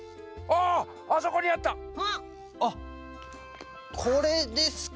あっこれですか？